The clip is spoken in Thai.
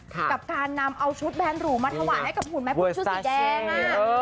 กับการนำเอาชุดแบนหรูมาถวายให้กับหุ่นแม่พึ่งชุดสีแดง